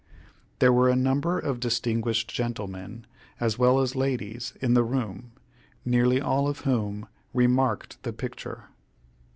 There were a number of distinguished gentlemen, as well as ladies, in the room, nearly all of whom remarked the picture.